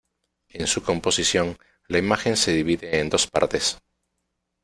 En su composición, la imagen se divide en dos partes.